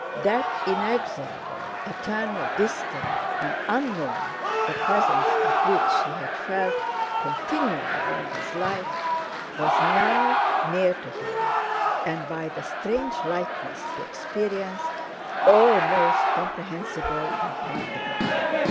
That inexorable, eternal, distant, and unknown the presence of which he had felt continually all his life—was now near to him and, by the strange lightness he experienced, almost comprehensible and palpable....